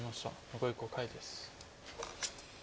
残り５回です。